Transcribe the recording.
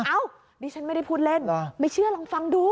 ดิฉันไม่ได้พูดเล่นไม่เชื่อลองฟังดู